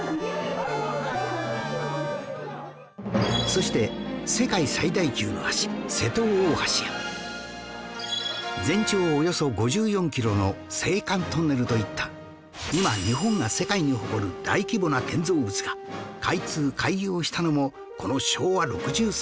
そして世界最大級の橋瀬戸大橋や全長およそ５４キロの青函トンネルといった今日本が世界に誇る大規模な建造物が開通・開業したのもこの昭和６３年でした